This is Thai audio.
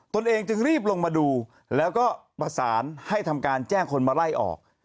ตัวเองจึงรีบลงมาดูแล้วก็ประสานให้ทำการแจ้งคนมาไล่ออก